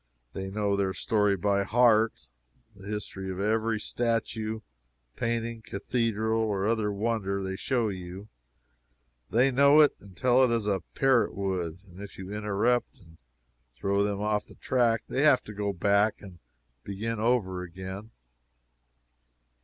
They know their story by heart the history of every statue, painting, cathedral or other wonder they show you. They know it and tell it as a parrot would and if you interrupt, and throw them off the track, they have to go back and begin over again.